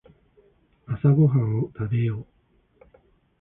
朝ごはんを食べよう。